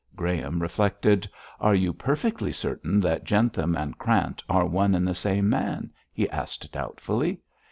Graham reflected. 'Are you perfectly certain that Jentham and Krant are one and the same man?' he asked doubtfully.